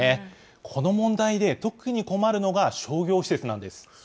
この問題で特に困るのが商業施設なんです。